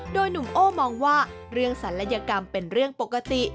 โดยหนุ่มโอ้มองว่าเรื่องศัลยกรรมเป็นเรื่องปกติ